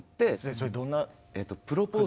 それどんな？